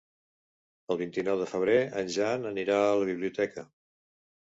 El vint-i-nou de febrer en Jan anirà a la biblioteca.